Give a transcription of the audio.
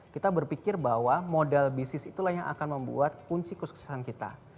kita berpikir bahwa modal bisnis itulah yang akan membuat kunci kesuksesan kita